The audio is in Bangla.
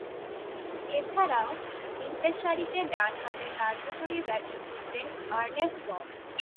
এছাড়াও, নিচেরসারিতে ডানহাতে কার্যকরী ব্যাটিং করতেন আর্নেস্ট বক।